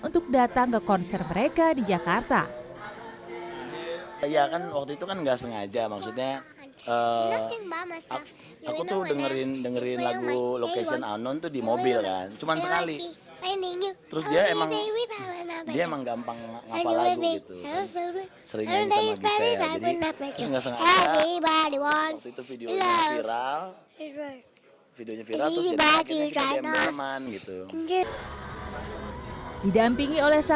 untuk datang ke konser mereka di jakarta